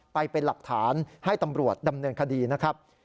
ไปเป็นหลักฐานให้ตำรวจดำเนินคดีนะครับ